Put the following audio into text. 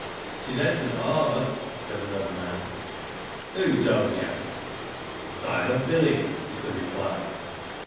/'She's entered the harbour," said another man. '*'Who told yer?" '* Silent Billy," was the reply.